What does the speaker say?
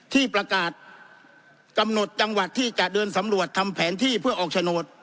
ที่ประกาศกำหนดจังหวัดที่จะเดินสำรวจทำแผนที่เพื่อออกโฉนด